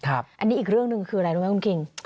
อันนี้อีกเรื่องหนึ่งคืออะไรรู้ไหมคุณคิง